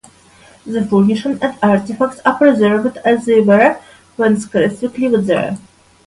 The furnishings and artifacts are preserved as they were when Skredsvig lived there.